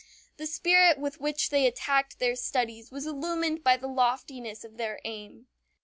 The spirit with which they attacked their studies was illumined by the loftiness of their aim.